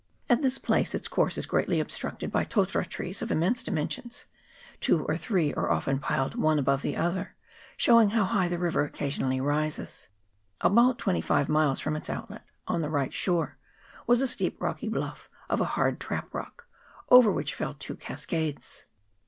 At this place its course is greatly obstructed by totara trees of immense dimensions : two or three are often piled one above the other, showing how high the river occasionally rises. About twenty five miles from its outlet, on the right shore, was a steep rocky bluff, of a hard trap rock, over which fell two cascades.